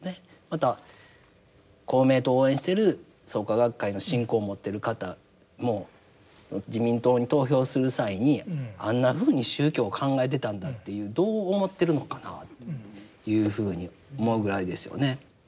また公明党を応援してる創価学会の信仰を持ってる方も自民党に投票する際にあんなふうに宗教を考えてたんだっていうどう思ってるのかなというふうに思うぐらいですよね。